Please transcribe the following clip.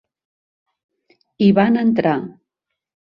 I van entrar.